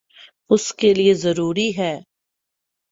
اس کے لئیے ضروری ہے